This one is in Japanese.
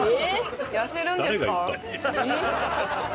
痩せるんですか？